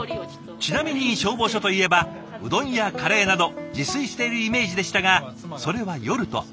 ちなみに消防署といえばうどんやカレーなど自炊しているイメージでしたがそれは夜と朝。